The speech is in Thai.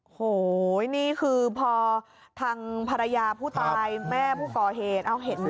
โอ้โหนี่คือพอทางภรรยาผู้ตายแม่ผู้ก่อเหตุ